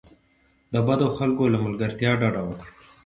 د بدو خلکو له ملګرتیا ډډه وکړئ.